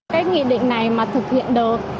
cái nghị định này mà thực hiện được